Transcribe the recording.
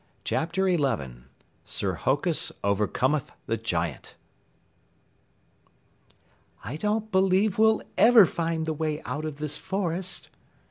CHAPTER 11 SIR HOKUS OVERCOMETH THE GIANT "I don't believe we'll ever find the way out of this forest."